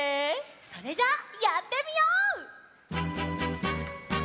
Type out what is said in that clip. それじゃあやってみよう！